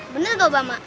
bener nggak obama